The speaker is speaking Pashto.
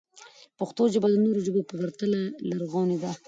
پښتو ژبه د نورو ژبو په پرتله لرغونې ده.